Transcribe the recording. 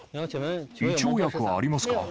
胃腸薬はありますか？